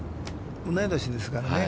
同い年ですからね。